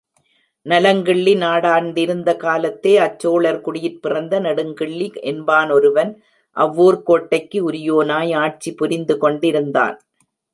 நலங்கிள்ளி நாடாண்டிருந்த காலத்தே, அச்சோழர் குடியிற் பிறந்த நெடுங்கிள்ளி என்பானொருவன் ஆவூர்க்கோட்டைக்கு உரியோனாய் ஆட்சி புரிந்து கொண்டிருந்தான்.